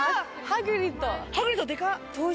ハグリッドデカっ。